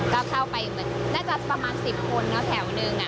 ก็เข้าไปเหมือนน่าจะประมาณ๑๐คนแถวนึง